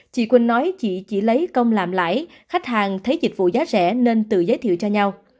chị quỳnh nói chị chỉ lấy công làm lãi khách hàng thấy dịch vụ giá rẻ nên tự giới thiệu cho nhau